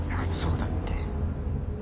そうだって。